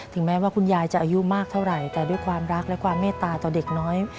แม้ว่าคุณยายจะอายุมากเท่าไหร่แต่ด้วยความรักและความเมตตาต่อเด็กน้อย